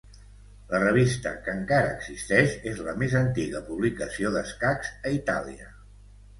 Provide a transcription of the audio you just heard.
La revista, que encara existeix, és la més antiga publicació d’escacs a Itàlia.